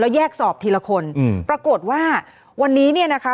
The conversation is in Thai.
แยกสอบทีละคนอืมปรากฏว่าวันนี้เนี่ยนะคะ